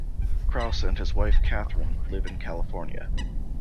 Krause and his wife, Katherine, live in California.